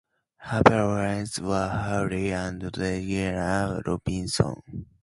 Her parents were Harry and Regina Robinson.